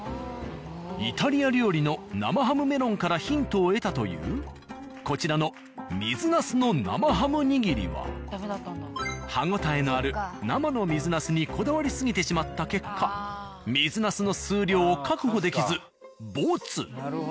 イタリア料理の生ハムメロンからヒントを得たというこちらの水なすの生ハムにぎりは歯応えのある生の水なすにこだわり過ぎてしまった結果水なすの数量を確保できずボツ。